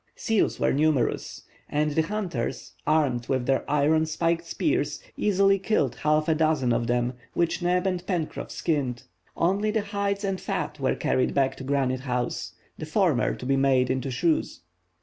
Seals were numerous, and the hunters, armed with their iron spiked spears, easily killed half a dozen of them, which Neb and Pencroff skinned. Only the hides and fat were carried back to Granite House, the former to be made into shoes.